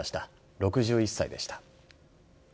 ６１歳でした。